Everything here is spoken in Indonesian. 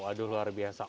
aduh luar biasa